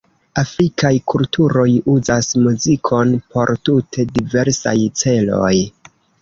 Afrikaj kulturoj uzas muzikon por tute diversaj celoj.